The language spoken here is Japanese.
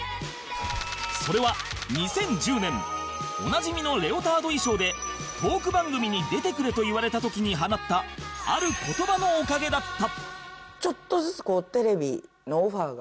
それは２０１０年おなじみのレオタード衣装でトーク番組に出てくれと言われた時に放ったある言葉のおかげだった